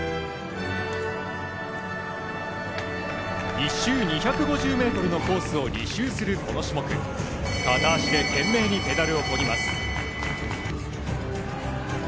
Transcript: １周２５０ｍのコースを２周するこの種目片足で懸命にペダルをこぎます。